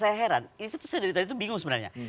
saya heran ini tuh saya dari tadi bingung sebenarnya